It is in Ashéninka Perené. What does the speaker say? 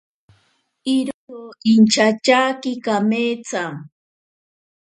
Iro inchatyaki kameetsa.